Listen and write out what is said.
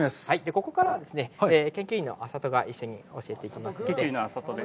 ここからはですね、研究員の安里が一緒に教えていきますので。